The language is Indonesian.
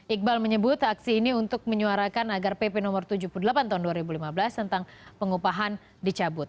iqbal menyebut aksi ini untuk menyuarakan agar pp no tujuh puluh delapan tahun dua ribu lima belas tentang pengupahan dicabut